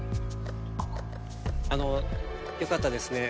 あのよかったですね